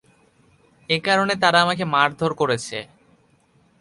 এ কারণে তারা আমাকে মারধর করেছে।